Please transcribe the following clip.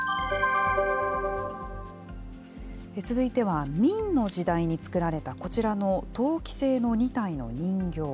続いては、明の時代に作られたこちらの陶器製の２体の人形。